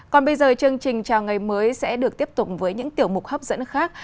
còn bây giờ chương trình chào ngày mới sẽ được tiếp tục với những tiểu mục hấp dẫn khác